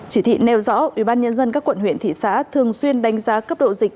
chỉ thị nêu rõ ubnd các quận huyện thị xã thường xuyên đánh giá cấp độ dịch